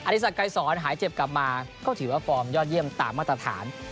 สักไกรสอนหายเจ็บกลับมาก็ถือว่าฟอร์มยอดเยี่ยมตามมาตรฐาน